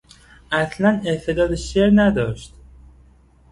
اصلا استعداد شعر نداشت.